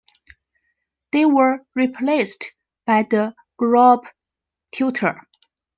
They were replaced by the Grob Tutor.